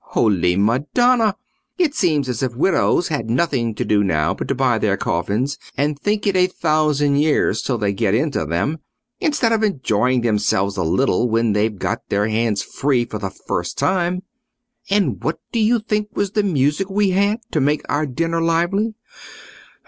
Holy Madonna! it seems as if widows had nothing to do now but to buy their coffins, and think it a thousand years till they get into them, instead of enjoying themselves a little when they've got their hands free for the first time. And what do you think was the music we had, to make our dinner lively?